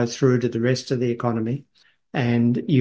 terus berjalan ke ekonomi lainnya